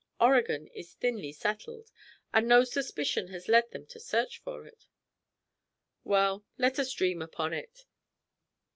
"Oregon is thinly settled, and no suspicion has led them to search for it." "Well, let us dream upon it."